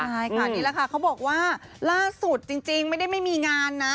ใช่ค่ะนี่แหละค่ะเขาบอกว่าล่าสุดจริงไม่ได้ไม่มีงานนะ